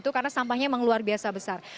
karena sampahnya memang luar biasa